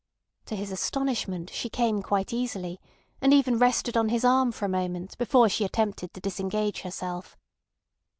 To his astonishment she came quite easily, and even rested on his arm for a moment before she attempted to disengage herself.